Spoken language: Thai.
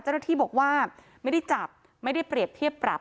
เจ้าหน้าที่บอกว่าไม่ได้จับไม่ได้เปรียบเทียบปรับ